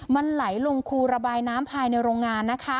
มันไหลลงคูระบายน้ำภายในโรงงานนะคะ